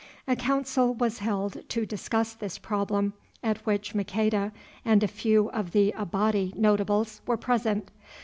A Council was held to discuss this problem, at which Maqueda and a few of the Abati notables were present.